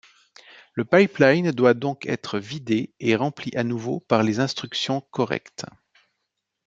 Le pipeline doit donc être vidé, et rempli à nouveau par les instructions correctes.